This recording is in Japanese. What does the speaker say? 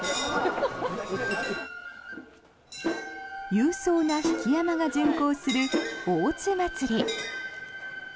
勇壮な曳山が巡行する大津祭。